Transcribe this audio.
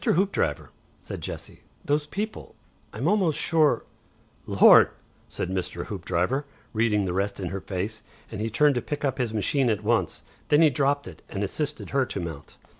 Hoopdriver," said Jessie. "Those people I'm almost sure " "Lord!" said Mr. Hoopdriver, reading the rest in her face, and he turned to pick up his machine at once. Then he dropped it and assisted her to mount.